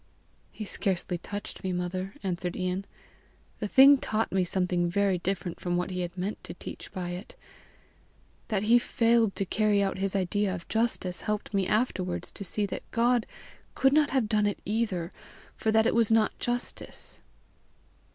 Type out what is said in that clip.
"He scarcely touched me, mother," answered Ian. "The thing taught me something very different from what he had meant to teach by it. That he failed to carry out his idea of justice helped me afterwards to see that God could not have done it either, for that it was not justice.